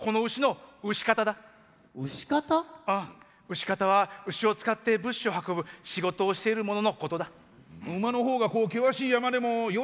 牛方は牛を使って物資を運ぶ仕事をしている者のことだ。